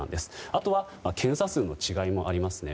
あとは検査数の違いもありますね。